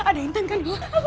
ada intan kan